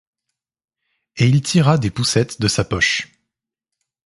Et il tira des poucettes de sa poche.